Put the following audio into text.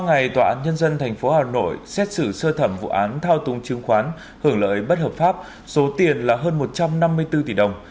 ngày tòa án nhân dân tp hà nội xét xử sơ thẩm vụ án thao túng chứng khoán hưởng lợi bất hợp pháp số tiền là hơn một trăm năm mươi bốn tỷ đồng